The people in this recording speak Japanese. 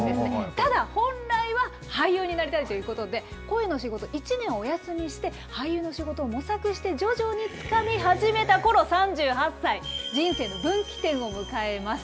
ただ、本来は俳優になりたいということで、声の仕事、１年お休みして、俳優の仕事を模索して、徐々につかみ始めたころ、３８歳、人生の分岐点を迎えます。